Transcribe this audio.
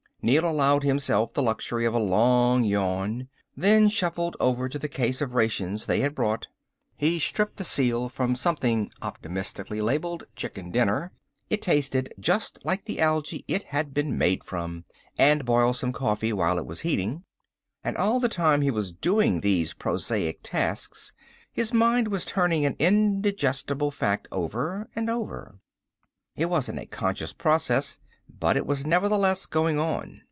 Neel allowed himself the luxury of a long yawn, then shuffled over to the case of rations they had brought. He stripped the seal from something optimistically labeled CHICKEN DINNER it tasted just like the algae it had been made from and boiled some coffee while it was heating. And all the time he was doing these prosaic tasks his mind was turning an indigestible fact over and over. It wasn't a conscious process, but it was nevertheless going on.